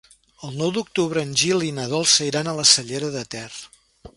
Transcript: El nou d'octubre en Gil i na Dolça iran a la Cellera de Ter.